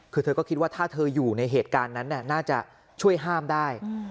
คือเธอก็คิดว่าถ้าเธออยู่ในเหตุการณ์นั้นน่าจะช่วยห้ามได้